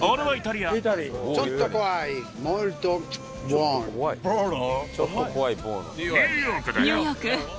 「ちょっと怖いボーノ」。